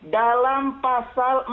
dalam pasal empat lima